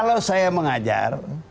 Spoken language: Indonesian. kalau saya mengajar